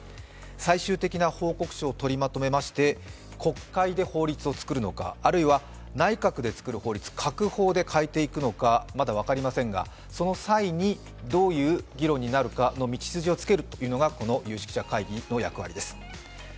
最終的な報告書を取りまとめまして、国会で法律を作るのかあるいは内閣で作る法律、閣法で変えていくのかはまだ分かりませんが、その際にどういう議論になるか道筋をつけるのがこの有識者会議の役割です。